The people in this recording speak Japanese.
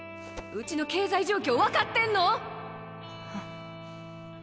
うちの経済状況分かってんの！？